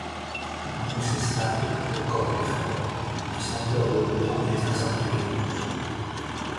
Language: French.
La mousse est stable, le corps est fort, la senteur de houblon est accentuée.